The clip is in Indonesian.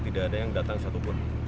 tidak ada yang datang satupun